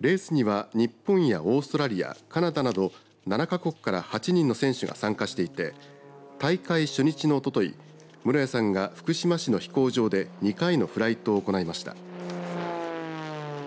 レースには日本やオーストラリアカナダなど７か国から８人の選手が参加していて大会初日のおととい室屋さんが福島市の飛行場で２回のフライトを行いました。